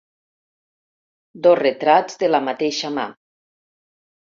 Dos retrats de la mateixa mà.